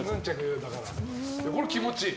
これ、気持ちいい。